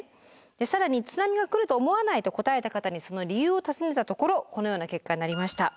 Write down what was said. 更に津波が来ると思わないと答えた方にその理由を尋ねたところこのような結果になりました。